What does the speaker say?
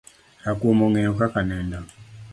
Rakuom ngeyo kaka nindo